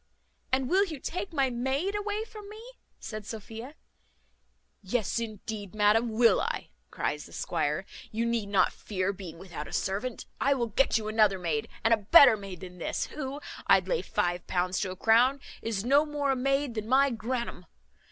"And will you take my maid away from me?" said Sophia. "Yes, indeed, madam, will I," cries the squire: "you need not fear being without a servant; I will get you another maid, and a better maid than this, who, I'd lay five pounds to a crown, is no more a maid than my grannum.